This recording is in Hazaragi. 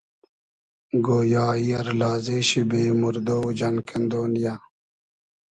گۉیا ای ار لازې شی بې موردۉ و جان کئندۉ نییۂ